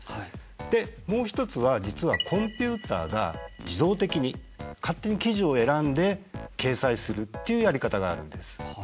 でもう一つは実はコンピューターが自動的に勝手に記事を選んで掲載するっていうやり方があるんです。